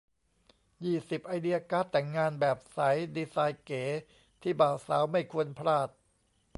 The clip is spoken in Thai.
ยี่สิบ ไอเดียการ์ดแต่งงานแบบใสดีไซน์เก๋ ที่บ่าวสาวไม่ควรพลาด